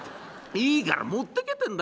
いいから持ってけってんだ。